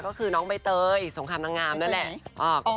ก็คือน้องใบเตยสงครามนางงามนั่นแหละ